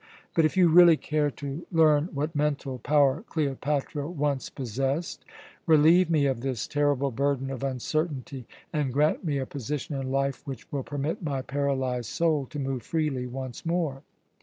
But if you really care to learn what mental power Cleopatra once possessed, relieve me of this terrible burden of uncertainty, and grant me a position in life which will permit my paralyzed soul to move freely once more."